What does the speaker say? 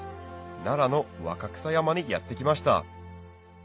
奈良の若草山にやって来ました